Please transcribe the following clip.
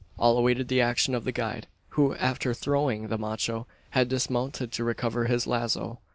All awaited the action of the guide; who, after "throwing" the macho, had dismounted to recover his lazo.